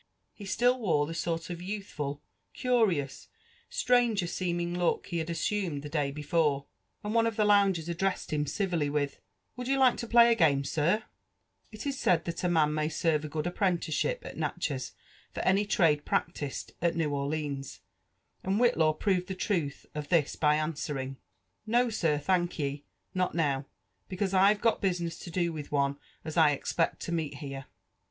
He still were iht) sort of youthful, curious, stranger^seeming look be had assumed the d^y before, and one of the foongers addressed him civilly with— '*' Wbuld you like to play a game, sir V It is said that a man may servo a good apprentieeshlp at Natch^t for any trade practised at New Orleans, and Whitlaw proved the truth df this by a«swering i *' No, sir, 4hank ye, not now, becauie Fve got business to do with one as I espect to meet here."